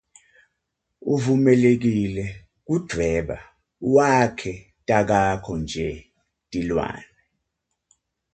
Uvumelekile kudvweba wakhe takakho nje tilwane.